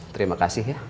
terima kasih ya